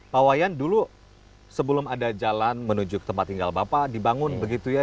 pak wayan dulu sebelum ada jalan menuju ke tempat tinggal bapak dibangun begitu ya